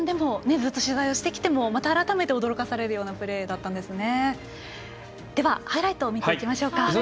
ずっと取材をしても改めて驚かされるようなプレーだったんですね。